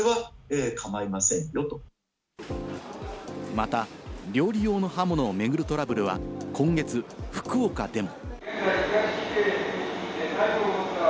また、料理用の刃物を巡るトラブルは今月、福岡でも。